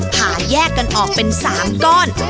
พาแยกกันออกเป็น๓ก้อน